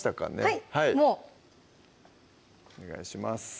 はいもうお願いします